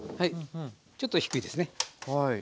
ちょっと低いですね。